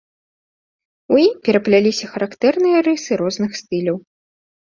У ім перапляліся характэрныя рысы розных стыляў.